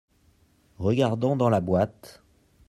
Regardant dans la boîte.